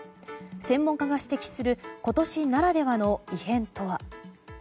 専門家が指摘する今年ならではの異変とは。